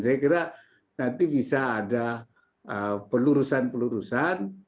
saya kira nanti bisa ada pelurusan pelurusan